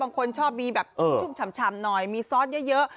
บางคนชอบมีแบบชุ่มฉ่ำหน่อยมีซอสเยอะ